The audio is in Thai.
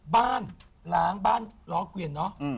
บ้านล้างบ้านล้อเกวียนเนอะ